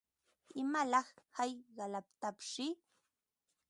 ¿Imalaq hayqalataqshi?